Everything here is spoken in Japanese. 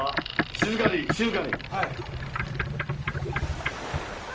静かに、静かに！